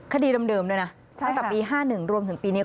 คดีเดิมด้วยนะตั้งแต่ปี๕๑รวมถึงปีนี้